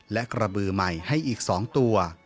และกระบือใหม่ให้อีก๒ตัว